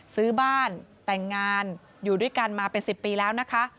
ซื้อบ้านแต่งงานอยู่ด้วยกันมาเป็น๑๐ปีแล้วนะคะ